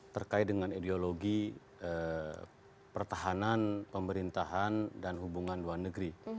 terkait dengan ideologi pertahanan pemerintahan dan hubungan luar negeri